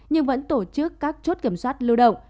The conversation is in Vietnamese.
nhưng vẫn tổ chức các chốt kiểm soát lưu động